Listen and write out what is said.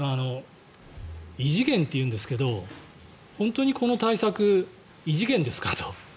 異次元っていうんですけど本当にこの対策異次元ですか？と。